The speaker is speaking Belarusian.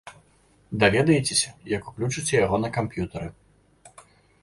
Даведаецеся, як уключыце яго на камп'ютары.